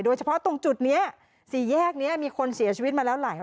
เฉพาะตรงจุดนี้สี่แยกนี้มีคนเสียชีวิตมาแล้วหลาย